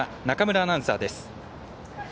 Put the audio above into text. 中村アナウンサーです。